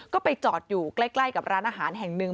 ก็ไปจอดอยู่ใกล้กับร้านอาหารแห่งหนึ่ง